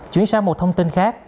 chuyển sang một thông tin khác